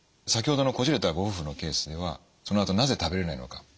先ほどのこじれたご夫婦のケースではそのあと「なぜ食べれないのか」